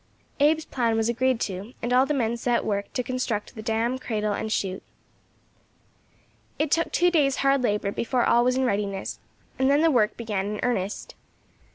Abe's plan was agreed to, and all the men set to work to construct the dam, cradle, and shoot. It took two days' hard labour before all was in readiness, and then the work began in earnest.